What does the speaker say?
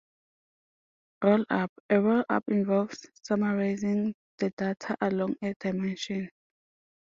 "Roll-up": A roll-up involves summarizing the data along a dimension.